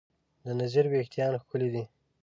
د نذیر وېښتیان ښکلي دي.